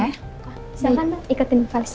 silahkan mbak ikutin fahriz